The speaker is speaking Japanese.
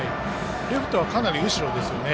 レフトはかなり後ろですね。